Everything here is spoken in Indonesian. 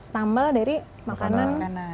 tambah dari makanan